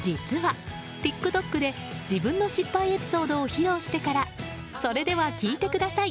実はＴｉｋＴｏｋで、自分の失敗エピソードを披露してからそれでは聞いてください！